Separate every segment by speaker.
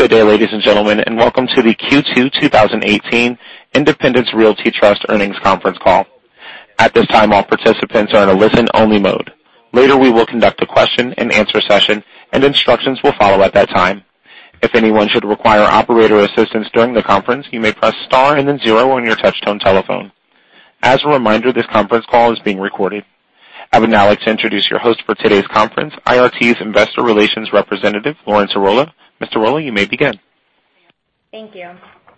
Speaker 1: Good day, ladies and gentlemen, welcome to the Q2 2018 Independence Realty Trust earnings conference call. At this time, all participants are in a listen-only mode. Later, we will conduct a question and answer session, and instructions will follow at that time. If anyone should require operator assistance during the conference, you may press star and then zero on your touch-tone telephone. As a reminder, this conference call is being recorded. I would now like to introduce your host for today's conference, IRT's Investor Relations representative, Lauren Tarola. Ms. Tarola, you may begin.
Speaker 2: Thank you.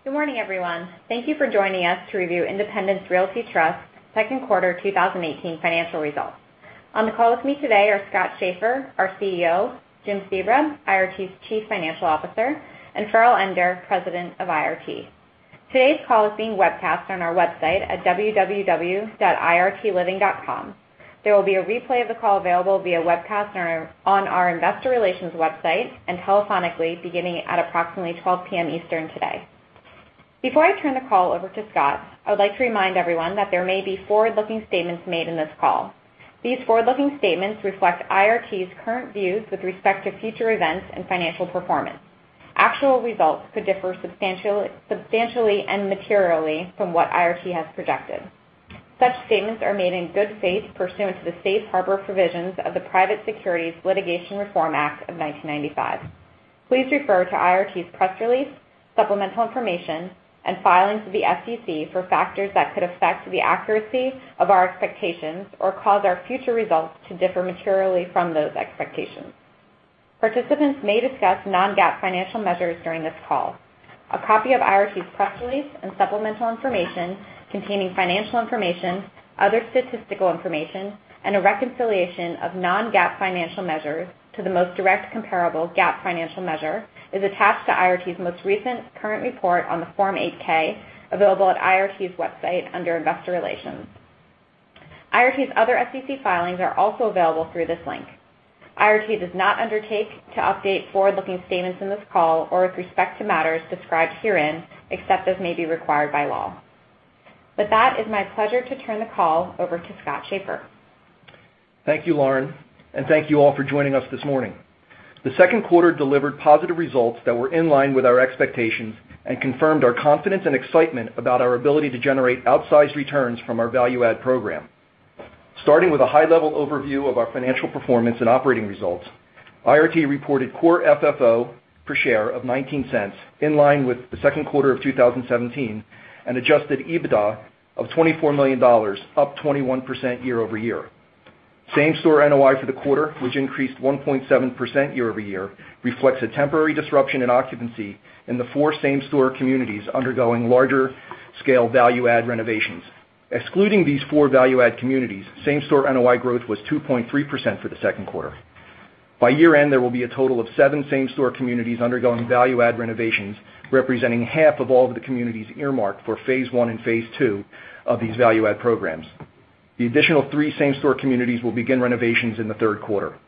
Speaker 2: Good morning, everyone. Thank you for joining us to review Independence Realty Trust second quarter 2018 financial results. On the call with me today are Scott Schaeffer, our CEO, Jim Sebra, IRT's Chief Financial Officer, and Farrell Ender, President of IRT. Today's call is being webcast on our website at www.irtliving.com. There will be a replay of the call available via webcast on our Investor Relations website and telephonically beginning at approximately 12:00 P.M. Eastern today. Before I turn the call over to Scott, I would like to remind everyone that there may be forward-looking statements made in this call. These forward-looking statements reflect IRT's current views with respect to future events and financial performance. Actual results could differ substantially and materially from what IRT has projected. Such statements are made in good faith pursuant to the safe harbor provisions of the Private Securities Litigation Reform Act of 1995. Please refer to IRT's press release, supplemental information, and filings with the SEC for factors that could affect the accuracy of our expectations or cause our future results to differ materially from those expectations. Participants may discuss non-GAAP financial measures during this call. A copy of IRT's press release and supplemental information containing financial information, other statistical information, and a reconciliation of non-GAAP financial measures to the most direct comparable GAAP financial measure is attached to IRT's most recent current report on the Form 8-K, available at IRT's website under Investor Relations. IRT's other SEC filings are also available through this link. IRT does not undertake to update forward-looking statements in this call or with respect to matters described herein, except as may be required by law. With that, it is my pleasure to turn the call over to Scott Schaeffer.
Speaker 3: Thank you, Lauren, and thank you all for joining us this morning. The second quarter delivered positive results that were in line with our expectations and confirmed our confidence and excitement about our ability to generate outsized returns from our value-add program. Starting with a high-level overview of our financial performance and operating results, IRT reported core FFO per share of $0.19, in line with the second quarter of 2017, and adjusted EBITDA of $24 million, up 21% year-over-year. Same-store NOI for the quarter, which increased 1.7% year-over-year, reflects a temporary disruption in occupancy in the four same-store communities undergoing larger-scale value-add renovations. Excluding these four value-add communities, same-store NOI growth was 2.3% for the second quarter. By year-end, there will be a total of seven same-store communities undergoing value-add renovations, representing half of all of the communities earmarked for Phase one and Phase two of these value-add programs. The additional three same-store communities will begin renovations in the third quarter.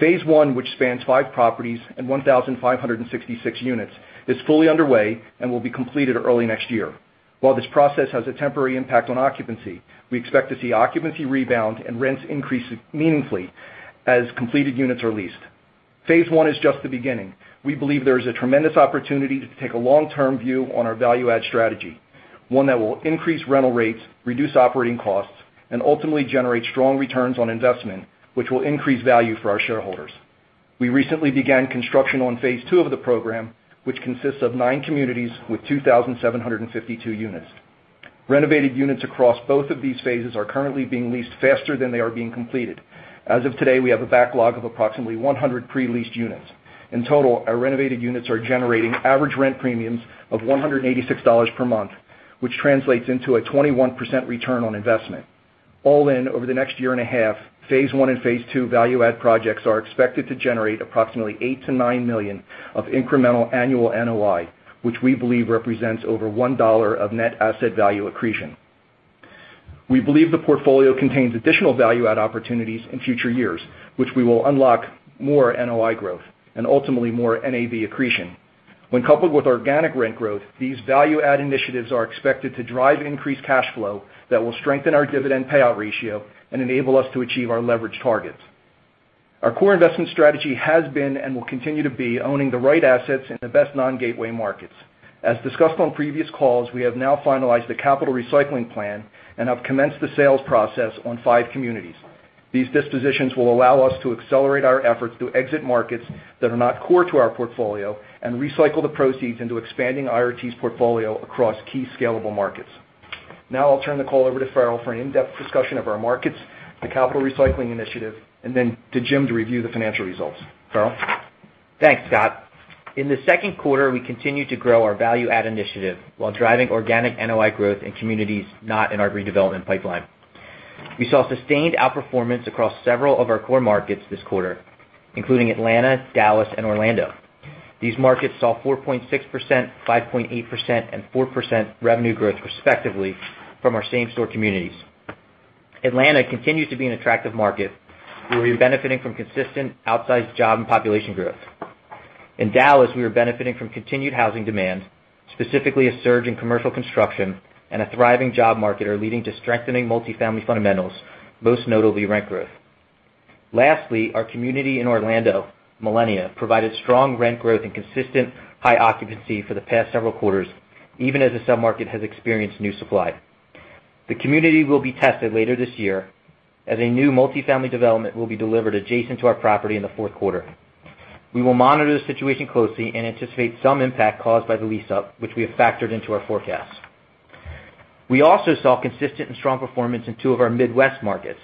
Speaker 3: Phase one, which spans five properties and 1,566 units, is fully underway and will be completed early next year. While this process has a temporary impact on occupancy, we expect to see occupancy rebound and rents increase meaningfully as completed units are leased. Phase one is just the beginning. We believe there is a tremendous opportunity to take a long-term view on our value-add strategy, one that will increase rental rates, reduce operating costs, and ultimately generate strong returns on investment, which will increase value for our shareholders. We recently began construction on Phase two of the program, which consists of nine communities with 2,752 units. Renovated units across both of these phases are currently being leased faster than they are being completed. As of today, we have a backlog of approximately 100 pre-leased units. In total, our renovated units are generating average rent premiums of $186 per month, which translates into a 21% return on investment. All in, over the next year and a half, Phase one and Phase two value-add projects are expected to generate approximately $8 million-$9 million of incremental annual NOI, which we believe represents over $1 of net asset value accretion. We believe the portfolio contains additional value-add opportunities in future years, which we will unlock more NOI growth and ultimately more NAV accretion. When coupled with organic rent growth, these value-add initiatives are expected to drive increased cash flow that will strengthen our dividend payout ratio and enable us to achieve our leverage targets. Our core investment strategy has been and will continue to be owning the right assets in the best non-gateway markets. As discussed on previous calls, we have now finalized a capital recycling plan and have commenced the sales process on five communities. These dispositions will allow us to accelerate our efforts to exit markets that are not core to our portfolio and recycle the proceeds into expanding IRT's portfolio across key scalable markets. Now I'll turn the call over to Farrell for an in-depth discussion of our markets, the capital recycling initiative, and then to Jim to review the financial results. Farrell?
Speaker 4: Thanks, Scott. In the second quarter, we continued to grow our value-add initiative while driving organic NOI growth in communities not in our redevelopment pipeline. We saw sustained outperformance across several of our core markets this quarter, including Atlanta, Dallas, and Orlando. These markets saw 4.6%, 5.8%, and 4% revenue growth respectively from our same-store communities. Atlanta continues to be an attractive market, where we are benefiting from consistent outsized job and population growth. In Dallas, we are benefiting from continued housing demand A surge in commercial construction and a thriving job market are leading to strengthening multifamily fundamentals, most notably rent growth. Our community in Orlando, Millenia, provided strong rent growth and consistent high occupancy for the past several quarters, even as the sub-market has experienced new supply. The community will be tested later this year as a new multifamily development will be delivered adjacent to our property in the fourth quarter. We will monitor the situation closely and anticipate some impact caused by the lease-up, which we have factored into our forecast. We also saw consistent and strong performance in two of our Midwest markets.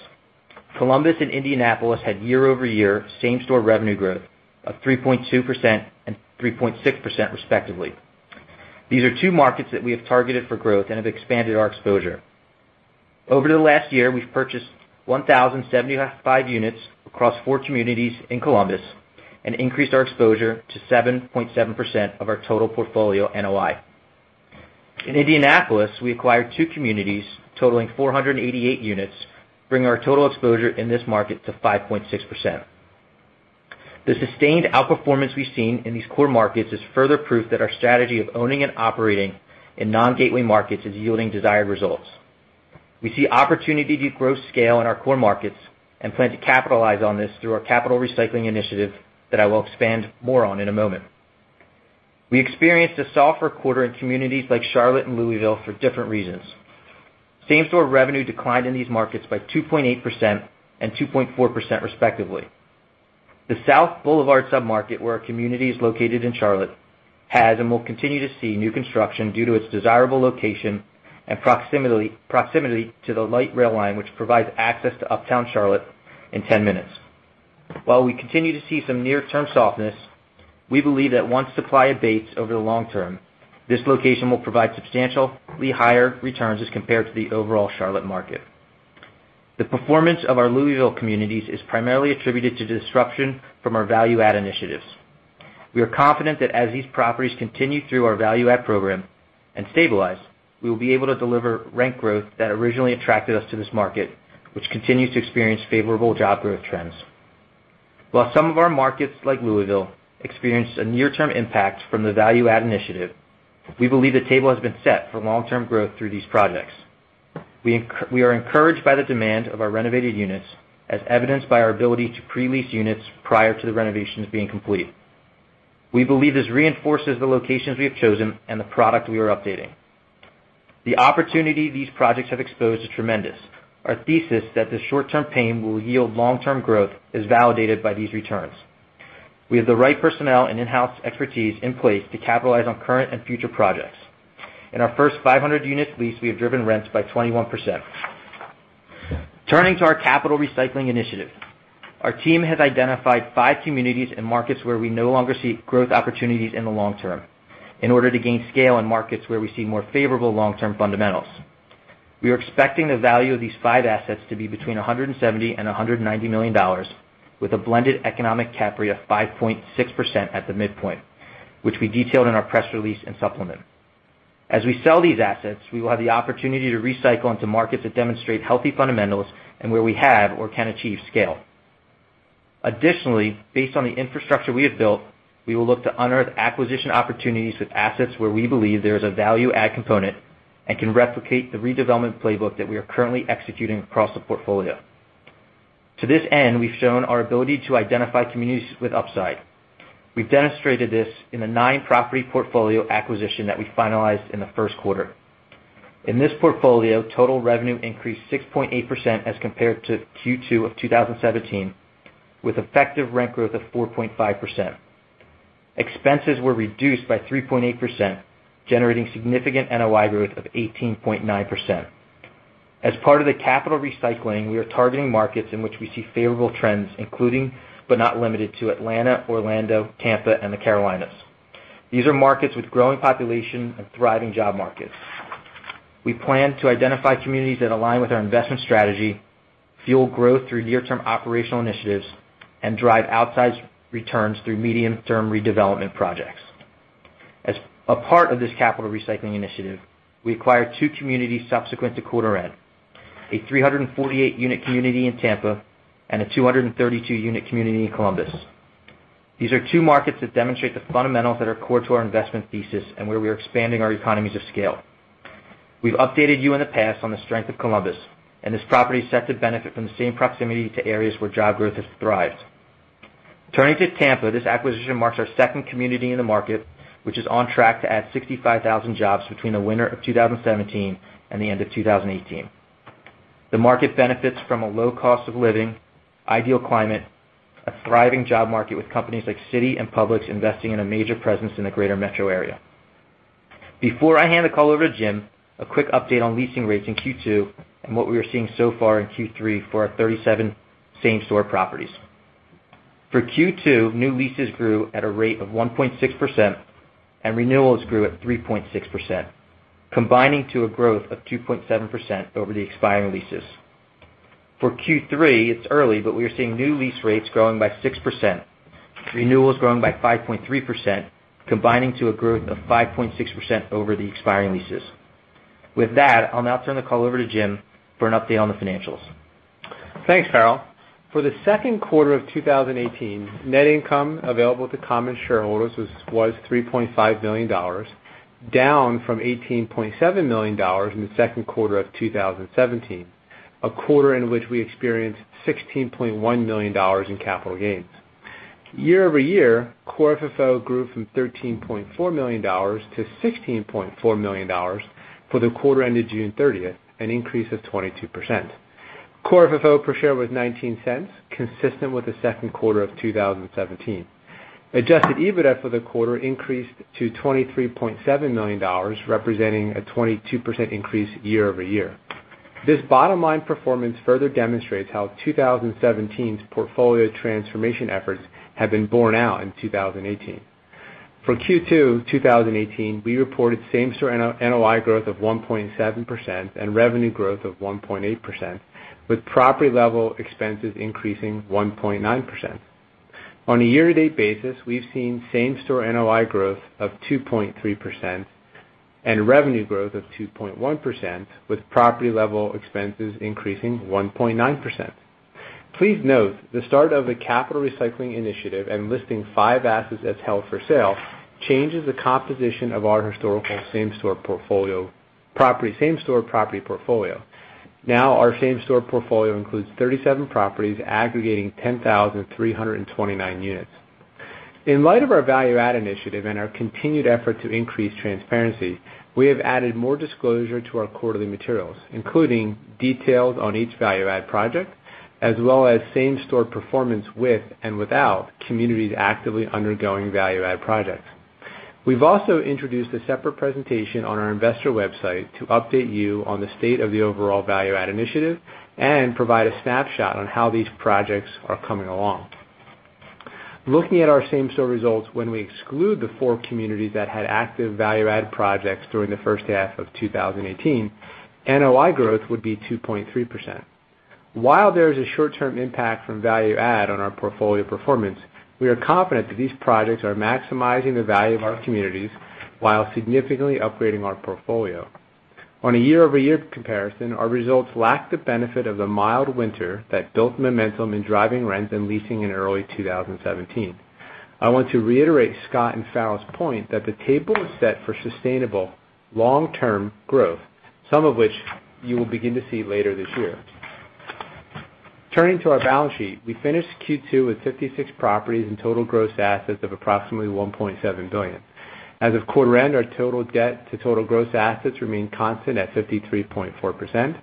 Speaker 4: Columbus and Indianapolis had year-over-year same-store revenue growth of 3.2% and 3.6% respectively. These are two markets that we have targeted for growth and have expanded our exposure. Over the last year, we've purchased 1,075 units across four communities in Columbus and increased our exposure to 7.7% of our total portfolio NOI. In Indianapolis, we acquired two communities totaling 488 units, bringing our total exposure in this market to 5.6%. The sustained outperformance we've seen in these core markets is further proof that our strategy of owning and operating in non-gateway markets is yielding desired results. We see opportunity to grow scale in our core markets and plan to capitalize on this through our capital recycling initiative that I will expand more on in a moment. We experienced a softer quarter in communities like Charlotte and Louisville for different reasons. Same-store revenue declined in these markets by 2.8% and 2.4% respectively. The South Boulevard sub-market, where our community is located in Charlotte, has and will continue to see new construction due to its desirable location and proximity to the light rail line, which provides access to Uptown Charlotte in 10 minutes. While we continue to see some near-term softness, we believe that once supply abates over the long term, this location will provide substantially higher returns as compared to the overall Charlotte market. The performance of our Louisville communities is primarily attributed to disruption from our value-add initiatives. We are confident that as these properties continue through our value-add program and stabilize, we will be able to deliver rent growth that originally attracted us to this market, which continues to experience favorable job growth trends. While some of our markets, like Louisville, experienced a near-term impact from the value-add initiative, we believe the table has been set for long-term growth through these projects. We are encouraged by the demand of our renovated units, as evidenced by our ability to pre-lease units prior to the renovations being complete. We believe this reinforces the locations we have chosen and the product we are updating. The opportunity these projects have exposed is tremendous. Our thesis that the short-term pain will yield long-term growth is validated by these returns. We have the right personnel and in-house expertise in place to capitalize on current and future projects. In our first 500-unit lease, we have driven rents by 21%. Turning to our capital recycling initiative. Our team has identified five communities and markets where we no longer see growth opportunities in the long term in order to gain scale in markets where we see more favorable long-term fundamentals. We are expecting the value of these five assets to be between $170 million-$190 million with a blended economic cap rate of 5.6% at the midpoint, which we detailed in our press release and supplement. As we sell these assets, we will have the opportunity to recycle into markets that demonstrate healthy fundamentals and where we have or can achieve scale. Additionally, based on the infrastructure we have built, we will look to unearth acquisition opportunities with assets where we believe there is a value-add component and can replicate the redevelopment playbook that we are currently executing across the portfolio. To this end, we've shown our ability to identify communities with upside. We've demonstrated this in the nine-property portfolio acquisition that we finalized in the first quarter. In this portfolio, total revenue increased 6.8% as compared to Q2 of 2017, with effective rent growth of 4.5%. Expenses were reduced by 3.8%, generating significant NOI growth of 18.9%. As part of the capital recycling, we are targeting markets in which we see favorable trends, including, but not limited to, Atlanta, Orlando, Tampa, and the Carolinas. These are markets with growing population and thriving job markets. We plan to identify communities that align with our investment strategy, fuel growth through near-term operational initiatives, and drive outsized returns through medium-term redevelopment projects. As a part of this capital recycling initiative, we acquired two communities subsequent to quarter end, a 348-unit community in Tampa and a 232-unit community in Columbus. These are two markets that demonstrate the fundamentals that are core to our investment thesis and where we are expanding our economies of scale. We've updated you in the past on the strength of Columbus, and this property is set to benefit from the same proximity to areas where job growth has thrived. Turning to Tampa, this acquisition marks our second community in the market, which is on track to add 65,000 jobs between the winter of 2017 and the end of 2018. The market benefits from a low cost of living, ideal climate, a thriving job market with companies like Citi and Publix investing in a major presence in the greater metro area. Before I hand the call over to Jim, a quick update on leasing rates in Q2 and what we are seeing so far in Q3 for our 37 same-store properties. For Q2, new leases grew at a rate of 1.6% and renewals grew at 3.6%, combining to a growth of 2.7% over the expiring leases. For Q3, it's early, but we are seeing new lease rates growing by 6%, renewals growing by 5.3%, combining to a growth of 5.6% over the expiring leases. With that, I'll now turn the call over to Jim for an update on the financials.
Speaker 5: Thanks, Farrell. For the second quarter of 2018, net income available to common shareholders was $3.5 million, down from $18.7 million in the second quarter of 2017, a quarter in which we experienced $16.1 million in capital gains. Year-over-year, core FFO grew from $13.4 million to $16.4 million for the quarter ended June 30th, an increase of 22%. Core FFO per share was $0.19, consistent with the second quarter of 2017. Adjusted EBITDA for the quarter increased to $23.7 million, representing a 22% increase year-over-year. This bottom-line performance further demonstrates how 2017's portfolio transformation efforts have been borne out in 2018. For Q2 2018, we reported same-store NOI growth of 1.7% and revenue growth of 1.8%, with property-level expenses increasing 1.9%. On a year-to-date basis, we've seen same-store NOI growth of 2.3% and revenue growth of 2.1%, with property-level expenses increasing 1.9%. Please note the start of a capital recycling initiative and listing five assets as held for sale changes the composition of our historical same-store property portfolio. Our same-store portfolio includes 37 properties aggregating 10,329 units. In light of our value-add initiative and our continued effort to increase transparency, we have added more disclosure to our quarterly materials, including details on each value-add project, as well as same-store performance with and without communities actively undergoing value-add projects. We've also introduced a separate presentation on our investor website to update you on the state of the overall value-add initiative and provide a snapshot on how these projects are coming along. Looking at our same-store results, when we exclude the four communities that had active value-add projects during the first half of 2018, NOI growth would be 2.3%. While there is a short-term impact from value-add on our portfolio performance, we are confident that these projects are maximizing the value of our communities while significantly upgrading our portfolio. On a year-over-year comparison, our results lack the benefit of the mild winter that built momentum in driving rents and leasing in early 2017. I want to reiterate Scott and Farrell's point that the table is set for sustainable long-term growth, some of which you will begin to see later this year. Turning to our balance sheet, we finished Q2 with 56 properties and total gross assets of approximately $1.7 billion. As of quarter-end, our total debt to total gross assets remain constant at 53.4%.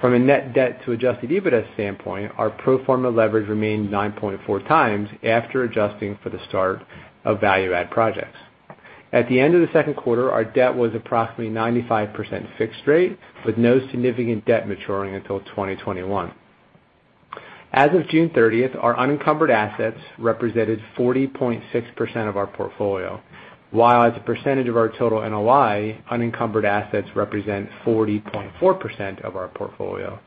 Speaker 5: From a net debt to adjusted EBITDA standpoint, our pro forma leverage remained 9.4 times after adjusting for the start of value-add projects. At the end of the second quarter, our debt was approximately 95% fixed rate with no significant debt maturing until 2021. As of June 30th, our unencumbered assets represented 40.6% of our portfolio. While as a percentage of our total NOI, unencumbered assets represent 40.4% of our portfolio.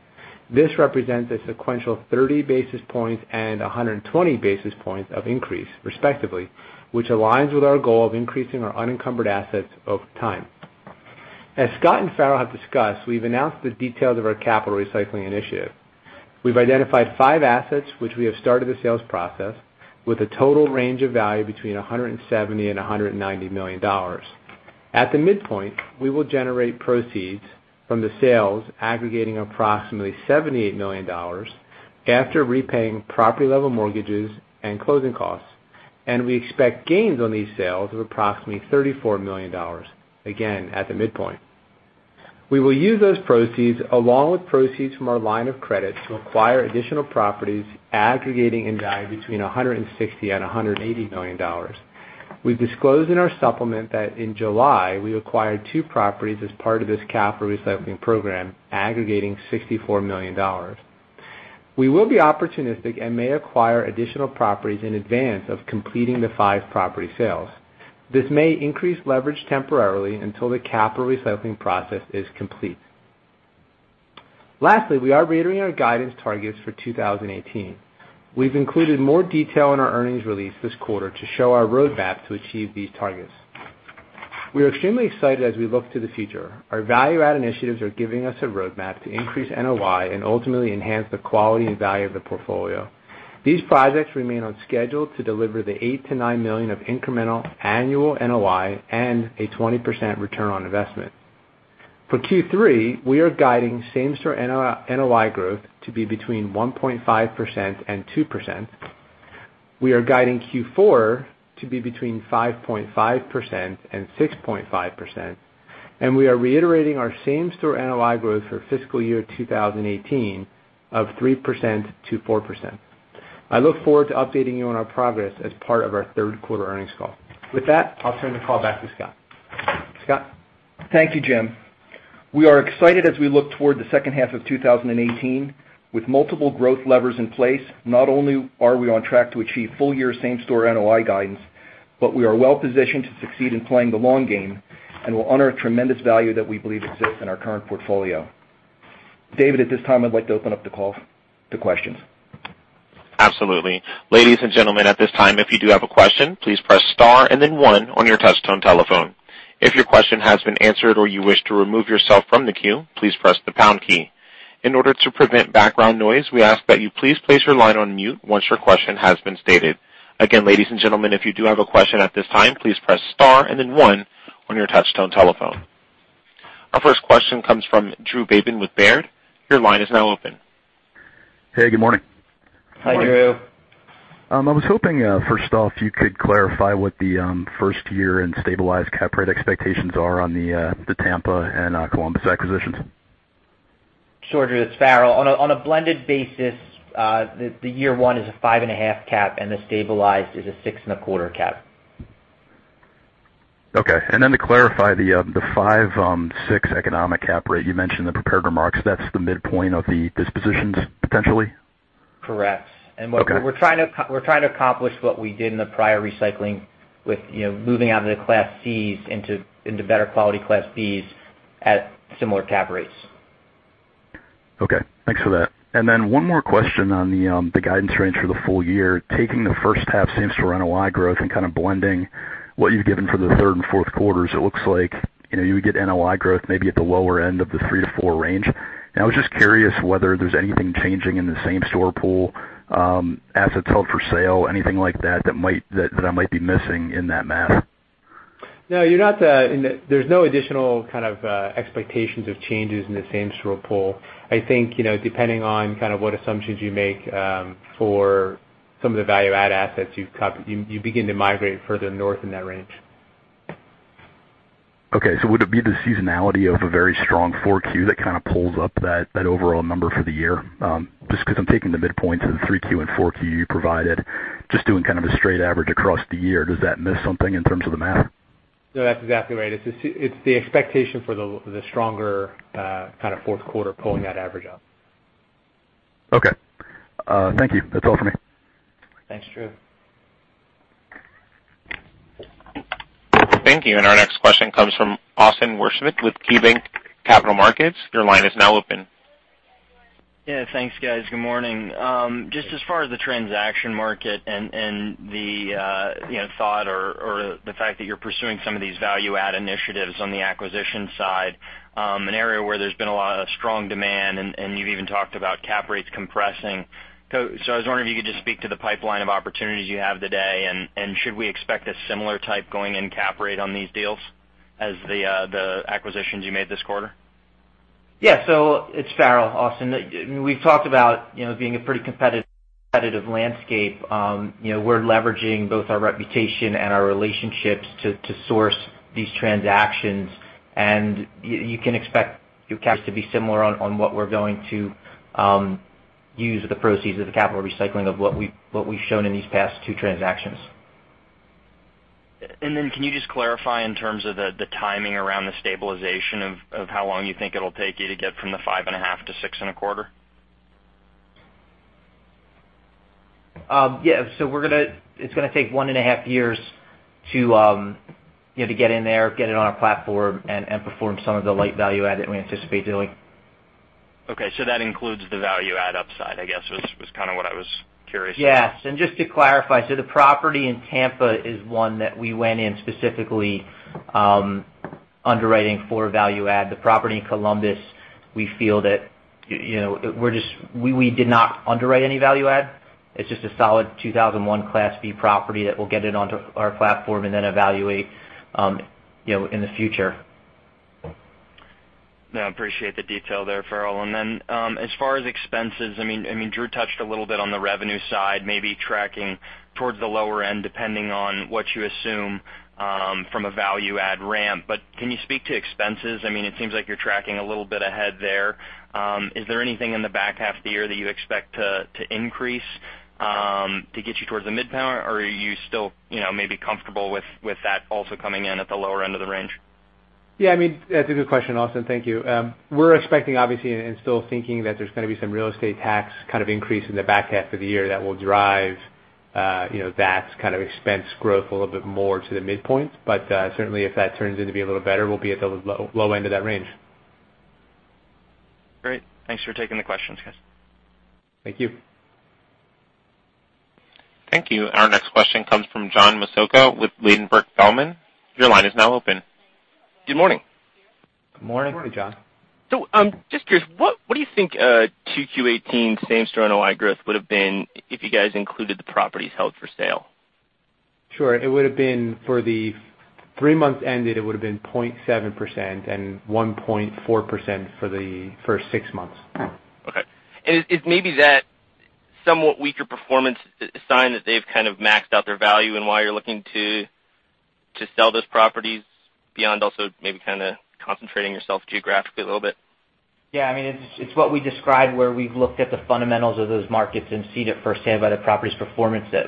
Speaker 5: This represents a sequential 30 basis points and 120 basis points of increase, respectively, which aligns with our goal of increasing our unencumbered assets over time. As Scott and Farrell have discussed, we've announced the details of our capital recycling initiative. We've identified five assets which we have started the sales process, with a total range of value between $170 million and $190 million. At the midpoint, we will generate proceeds from the sales aggregating approximately $78 million after repaying property-level mortgages and closing costs, and we expect gains on these sales of approximately $34 million, again, at the midpoint. We will use those proceeds, along with proceeds from our line of credit, to acquire additional properties aggregating in value between $160 million and $180 million. We've disclosed in our supplement that in July, we acquired two properties as part of this capital recycling program, aggregating $64 million. We will be opportunistic and may acquire additional properties in advance of completing the five property sales. This may increase leverage temporarily until the capital recycling process is complete. Lastly, we are reiterating our guidance targets for 2018. We've included more detail in our earnings release this quarter to show our roadmap to achieve these targets. We are extremely excited as we look to the future. Our value-add initiatives are giving us a roadmap to increase NOI and ultimately enhance the quality and value of the portfolio. These projects remain on schedule to deliver the eight to nine million of incremental annual NOI and a 20% return on investment. For Q3, we are guiding same-store NOI growth to be between 1.5% and 2%. We are guiding Q4 to be between 5.5% and 6.5%, and we are reiterating our same-store NOI growth for fiscal year 2018 of 3%-4%. I look forward to updating you on our progress as part of our third quarter earnings call. With that, I'll turn the call back to Scott. Scott?
Speaker 3: Thank you, Jim. We are excited as we look toward the second half of 2018. With multiple growth levers in place, not only are we on track to achieve full-year same-store NOI guidance, but we are well-positioned to succeed in playing the long game and will honor a tremendous value that we believe exists in our current portfolio. David, at this time, I'd like to open up the call to questions.
Speaker 1: Absolutely. Ladies and gentlemen, at this time, if you do have a question, please press star and then one on your touch-tone telephone. If your question has been answered or you wish to remove yourself from the queue, please press the pound key. In order to prevent background noise, we ask that you please place your line on mute once your question has been stated. Again, ladies and gentlemen, if you do have a question at this time, please press star and then one on your touch-tone telephone. Our first question comes from Drew Babin with Baird. Your line is now open.
Speaker 6: Hey, good morning.
Speaker 4: Hi, Drew.
Speaker 6: I was hoping, first off, you could clarify what the first year in stabilized cap rate expectations are on the Tampa and Columbus acquisitions.
Speaker 4: Sure, Drew. It's Farrell. On a blended basis, the year one is a five-and-a-half cap, and the stabilized is a six-and-a-quarter cap.
Speaker 6: Okay. To clarify, the 5.6% economic cap rate you mentioned in the prepared remarks, that's the midpoint of the dispositions, potentially?
Speaker 4: Correct.
Speaker 6: Okay.
Speaker 4: We're trying to accomplish what we did in the prior recycling with moving out of the Class Cs into better quality Class Bs at similar cap rates.
Speaker 6: Okay, thanks for that. One more question on the guidance range for the full year. Taking the first half same-store NOI growth and kind of blending what you've given for the third and fourth quarters, it looks like you would get NOI growth maybe at the lower end of the three to four range. I was just curious whether there's anything changing in the same-store pool, assets held for sale, anything like that I might be missing in that math.
Speaker 4: No, there's no additional kind of expectations of changes in the same-store pool. I think, depending on kind of what assumptions you make for some of the value-add assets you've covered, you begin to migrate further north in that range.
Speaker 6: Okay. Would it be the seasonality of a very strong 4Q that kind of pulls up that overall number for the year? Just because I'm taking the midpoints of the 3Q and 4Q you provided, just doing kind of a straight average across the year. Does that miss something in terms of the math?
Speaker 4: No, that's exactly right. It's the expectation for the stronger kind of fourth quarter pulling that average up.
Speaker 6: Okay. Thank you. That's all for me.
Speaker 4: Thanks, Drew.
Speaker 1: Thank you. Our next question comes from Austin Wurschmidt with KeyBanc Capital Markets. Your line is now open.
Speaker 7: Yeah, thanks, guys. Good morning. Just as far as the transaction market and the thought or the fact that you're pursuing some of these value-add initiatives on the acquisition side, an area where there's been a lot of strong demand, and you've even talked about cap rates compressing. I was wondering if you could just speak to the pipeline of opportunities you have today, and should we expect a similar type going-in cap rate on these deals as the acquisitions you made this quarter?
Speaker 4: Yeah. It's Farrell, Austin. We've talked about it being a pretty competitive landscape. We're leveraging both our reputation and our relationships to source these transactions. You can expect your caps to be similar on what we're going to use the proceeds of the capital recycling of what we've shown in these past two transactions.
Speaker 7: Can you just clarify in terms of the timing around the stabilization of how long you think it'll take you to get from the five-and-a-half to six-and-a-quarter?
Speaker 4: Yeah. It's gonna take one-and-a-half years to get in there, get it on our platform, and perform some of the light value-add that we anticipate doing.
Speaker 7: That includes the value-add upside, I guess, was kind of what I was curious about.
Speaker 4: Yes. Just to clarify, the property in Tampa is one that we went in specifically underwriting for value-add. The property in Columbus, we did not underwrite any value-add. It's just a solid 2001 Class B property that we'll get it onto our platform and then evaluate in the future.
Speaker 7: No, I appreciate the detail there, Farrell. As far as expenses, Drew touched a little bit on the revenue side, maybe tracking towards the lower end, depending on what you assume from a value-add ramp. Can you speak to expenses? It seems like you're tracking a little bit ahead there. Is there anything in the back half of the year that you expect to increase to get you towards the midpoint, or are you still maybe comfortable with that also coming in at the lower end of the range?
Speaker 4: Yeah, that's a good question, Austin. Thank you. We're expecting, obviously, and still thinking that there's going to be some real estate tax kind of increase in the back half of the year that will drive that kind of expense growth a little bit more to the midpoint. Certainly, if that turns in to be a little better, we'll be at the low end of that range.
Speaker 7: Great. Thanks for taking the questions, guys.
Speaker 4: Thank you.
Speaker 1: Thank you. Our next question comes from John Massocca with Ladenburg Thalmann. Your line is now open.
Speaker 8: Good morning.
Speaker 4: Good morning.
Speaker 3: Morning, John.
Speaker 8: just curious, what do you think 2Q18 same-store NOI growth would've been if you guys included the properties held for sale?
Speaker 4: Sure. For the three months ended, it would've been 0.7% and 1.4% for the first six months.
Speaker 8: Okay. Is maybe that somewhat weaker performance a sign that they've kind of maxed out their value and why you're looking to sell those properties beyond also maybe kind of concentrating yourself geographically a little bit?
Speaker 4: Yeah, it's what we described where we've looked at the fundamentals of those markets and seen it firsthand by the property's performance that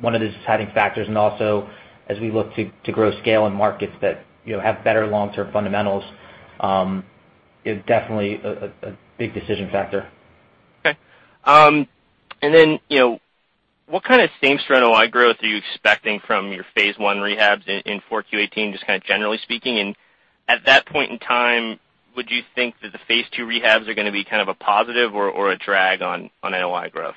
Speaker 4: one of the deciding factors, also as we look to grow scale in markets that have better long-term fundamentals, is definitely a big decision factor.
Speaker 8: What kind of same-store NOI growth are you expecting from your phase 1 rehabs in 4Q 2018, just kind of generally speaking? At that point in time, would you think that the phase 2 rehabs are going to be kind of a positive or a drag on NOI growth?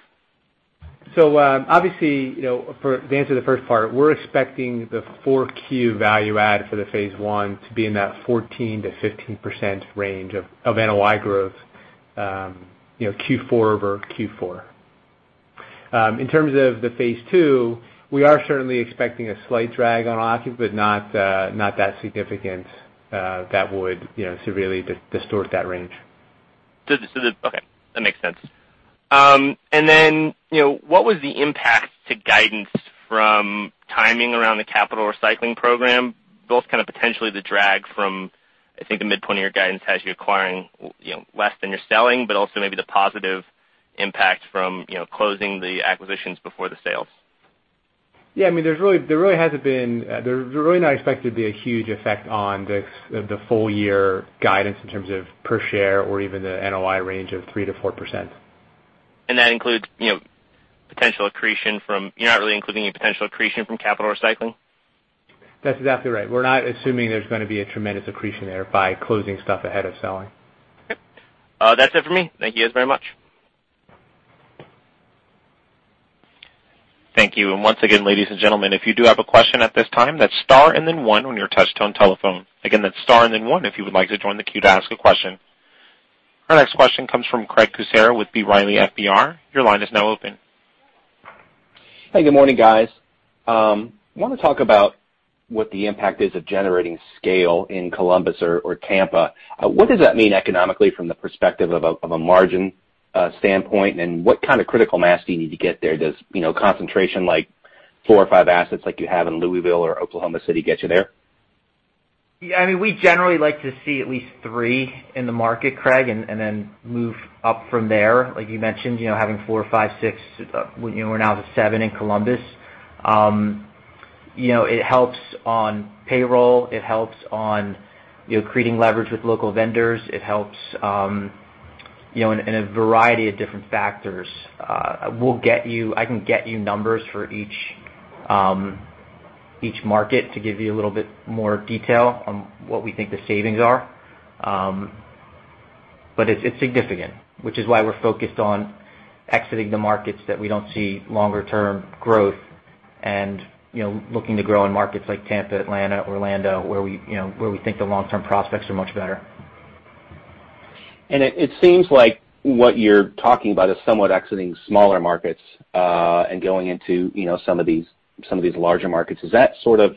Speaker 5: Obviously, for the answer to the first part, we're expecting the 4Q value-add for the phase 1 to be in that 14%-15% range of NOI growth, Q4 over Q4. We are certainly expecting a slight drag on occup, not that significant that would severely distort that range.
Speaker 8: Okay. That makes sense. What was the impact to guidance from timing around the capital recycling program, both kind of potentially the drag from, I think, the midpoint of your guidance has you acquiring less than you're selling, also maybe the positive impact from closing the acquisitions before the sales?
Speaker 5: Yeah, there's really not expected to be a huge effect on the full-year guidance in terms of per share or even the NOI range of 3%-4%.
Speaker 8: You're not really including any potential accretion from capital recycling?
Speaker 5: That's exactly right. We're not assuming there's going to be a tremendous accretion there by closing stuff ahead of selling.
Speaker 8: Okay. That's it for me. Thank you guys very much.
Speaker 1: Thank you. Once again, ladies and gentlemen, if you do have a question at this time, that's star and then one on your touch-tone telephone. Again, that's star and then one if you would like to join the queue to ask a question. Our next question comes from Craig Kucera with B. Riley FBR. Your line is now open.
Speaker 9: Hey, good morning, guys. I want to talk about what the impact is of generating scale in Columbus or Tampa. What does that mean economically from the perspective of a margin standpoint, and what kind of critical mass do you need to get there? Does concentration like 4 or 5 assets like you have in Louisville or Oklahoma City get you there?
Speaker 4: We generally like to see at least 3 in the market, Craig, and then move up from there. Like you mentioned, having 4 or 5, 6, we're now to 7 in Columbus. It helps on payroll. It helps on creating leverage with local vendors. It helps in a variety of different factors. I can get you numbers for each market to give you a little bit more detail on what we think the savings are. It's significant, which is why we're focused on exiting the markets that we don't see longer-term growth and looking to grow in markets like Tampa, Atlanta, Orlando, where we think the long-term prospects are much better.
Speaker 9: It seems like what you're talking about is somewhat exiting smaller markets, and going into some of these larger markets. Is that sort of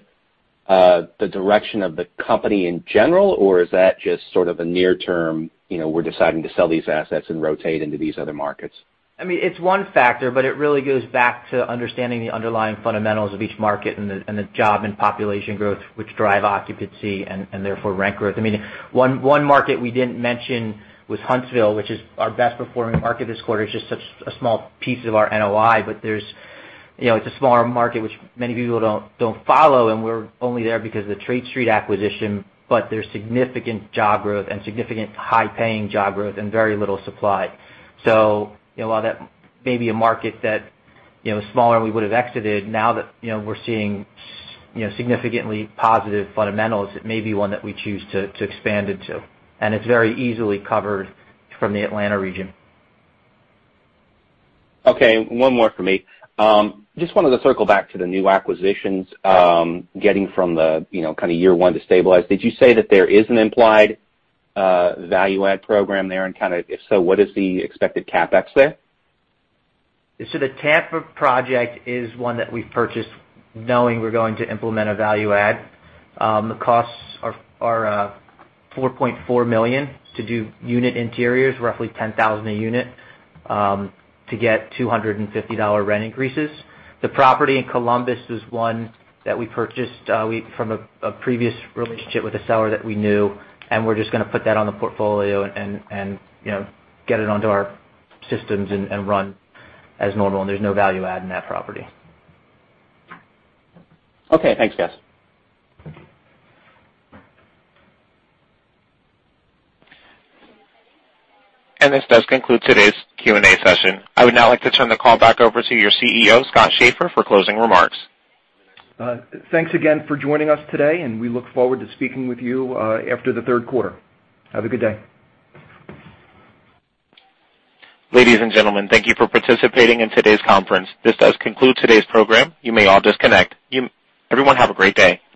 Speaker 9: the direction of the company in general, or is that just sort of a near term, we're deciding to sell these assets and rotate into these other markets?
Speaker 4: It's one factor, but it really goes back to understanding the underlying fundamentals of each market and the job and population growth, which drive occupancy, and therefore rent growth. One market we didn't mention was Huntsville, which is our best performing market this quarter. It's just such a small piece of our NOI, but it's a smaller market, which many people don't follow, and we're only there because of the Trade Street acquisition, but there's significant job growth and significant high-paying job growth and very little supply. While that may be a market that is smaller and we would've exited, now that we're seeing significantly positive fundamentals, it may be one that we choose to expand into, and it's very easily covered from the Atlanta region.
Speaker 9: Okay, one more from me. Just wanted to circle back to the new acquisitions, getting from the kind of year one to stabilize. Did you say that there is an implied value-add program there and kind of if so, what is the expected CapEx there?
Speaker 4: The Tampa project is one that we've purchased knowing we're going to implement a value-add. The costs are $4.4 million to do unit interiors, roughly 10,000 a unit, to get $250 rent increases. The property in Columbus is one that we purchased from a previous relationship with a seller that we knew, and we're just going to put that on the portfolio and get it onto our systems and run as normal, and there's no value-add in that property.
Speaker 9: Okay. Thanks, guys.
Speaker 1: This does conclude today's Q&A session. I would now like to turn the call back over to your CEO, Scott Schaeffer, for closing remarks.
Speaker 3: Thanks again for joining us today, and we look forward to speaking with you after the third quarter. Have a good day.
Speaker 1: Ladies and gentlemen, thank you for participating in today's conference. This does conclude today's program. You may all disconnect. Everyone have a great day.